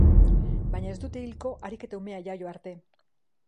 Baina ez dute hilko harik eta umea jaio arte.